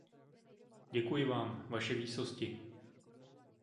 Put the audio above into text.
Děkuji vám, Vaše výsosti.